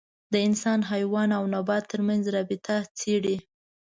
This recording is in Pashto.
د انسان، حیوان او نبات تر منځ رابطه څېړي.